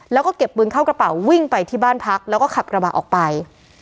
แล้วก็เก็บปืนเข้ากระเป๋าวิ่งไปที่บ้านพักแล้วก็ขับกระบะออกไป